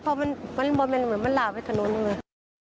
เพราะมันเหมือนมันลาไปข้างโน้น